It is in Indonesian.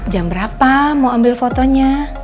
jam berapa mau ambil fotonya